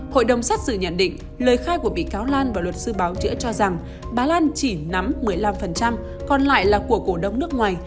hội đồng xét xử nhận định lời khai của bị cáo lan và luật sư báo chữa cho rằng bà lan chỉ nắm một mươi năm còn lại là của cổ đông nước ngoài